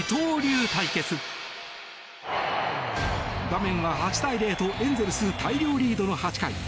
場面は８対０とエンゼルス大量リードの８回。